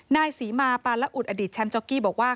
นายศรีมาปาละอุดอดีตแชมป์จ๊อกกี้บอกว่า